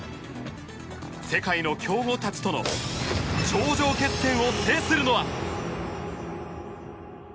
世界の強豪たちとの頂上決戦を制するのは。